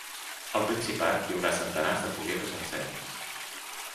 Al Principat hi haurà centenars de fogueres enceses.